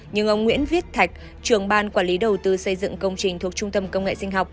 nhưng ông nguyễn viết thạch trường ban quản lý đầu tư xây dựng công trình thuộc trung tâm công nghệ sinh học